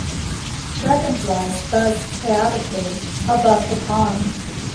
Dragonflies buzzed chaotically above the pond.